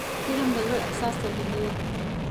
فلم د زړه احساس څرګندوي